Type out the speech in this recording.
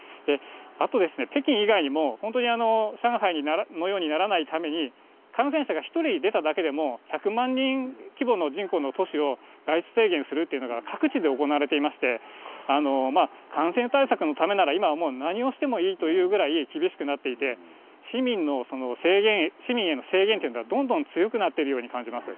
あと北京以外にも、本当に、上海のようにならないために感染者が１人出ただけでも、１００万人規模の人口の都市を外出制限するというのが、各地で行われていまして、感染対策のためなら今はもう何をしてもいいというぐらい、厳しくなっていて、市民の制限、市民への制限というのがどんどん強くなっているように感じます。